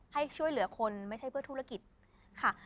ให้ช่วยเหลือคนไม่ใช่เพื่อธุรกิจค่ะ